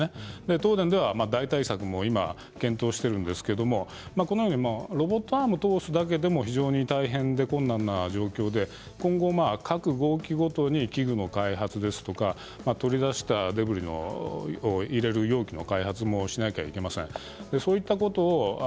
東電では代替策も検討しているんですけどこのようにロボットアームを通すだけでも非常に大変で困難な状況で、今後各号機ごとについても、開発ですとか取り出したデブリを入れる容器の開発もしなくてはいけません。